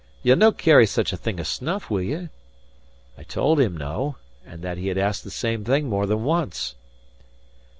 Ye'll no carry such a thing as snuff, will ye?" I told him no, and that he had asked the same thing more than once.